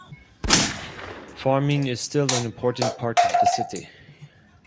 Farming is still an important part of the city.